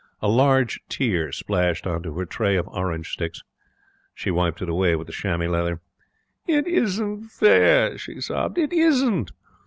A large tear splashed on to her tray of orange sticks. She wiped it away with the chamois leather. 'It isn't fair,' she sobbed. 'It isn't.